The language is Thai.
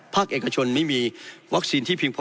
เอกชนไม่มีวัคซีนที่เพียงพอ